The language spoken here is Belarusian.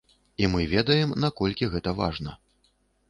І мы ведаем, наколькі гэта важна.